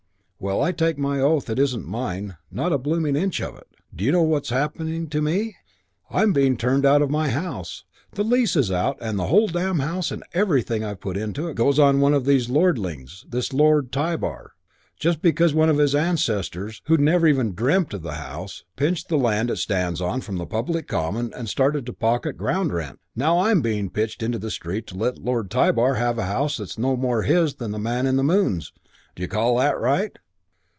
Well, I take my oath it isn't mine. Not a blooming inch of it. D'you know what's happening to me? I'm being turned out of my house. The lease is out and the whole damned house and everything I've put on to it goes to one of these lordlings this Lord Tybar just because one of his ancestors, who'd never even dreamt of the house, pinched the land it stands on from the public common and started to pocket ground rent. Now I'm being pitched into the street to let Lord Tybar have a house that's no more his than the man in the moon's. D'you call that right?"